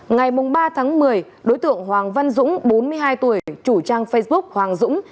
ngày ba tháng một mươi đối tượng hoàng văn dũng bốn mươi hai tuổi chủ trang facebook hoàng dũng